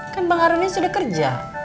kan bang harunnya sudah kerja